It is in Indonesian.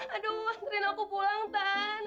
aduh sering aku pulang tan